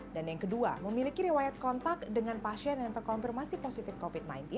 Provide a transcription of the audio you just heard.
dan yang kedua memiliki riwayat kontak dengan pasien yang terkonfirmasi positif covid sembilan belas